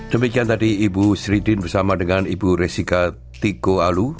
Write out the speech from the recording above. demikian tadi ibu sri din bersama dengan ibu resika tiko alu